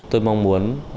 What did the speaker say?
tôi mong muốn